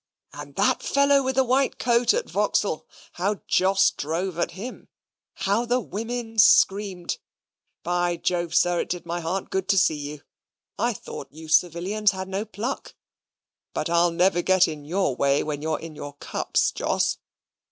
"And that fellow with the white coat at Vauxhall! How Jos drove at him! How the women screamed! By Jove, sir, it did my heart good to see you. I thought you civilians had no pluck; but I'll never get in your way when you are in your cups, Jos."